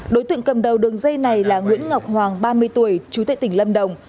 đối tượng cầm đầu đường dây này là nguyễn ngọc hoàng ba mươi tuổi chú tệ tỉnh lâm đồng